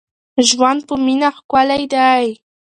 ژوند په مینه ښکلی دی.